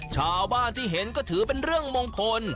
ชาวบ้านที่เห็นก็ถือเป็นเรื่องมงคล